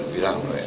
bilang loh ya